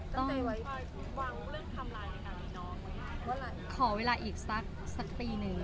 ตั้งใจวางเรื่องทำลายในการมีน้องไหมครับ